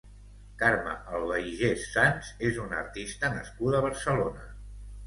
Carme Albaigés Sans és una artista nascuda a Barcelona.